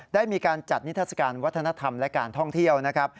ได้มีการจัดนิทัศกาลวัฒนธรรมและการท่องเที่ยวนะครับ